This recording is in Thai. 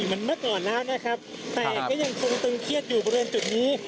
เหมือนเมื่อก่อนแล้วนะครับแต่ก็ยังคงตึงเครียดอยู่บริเวณจุดนี้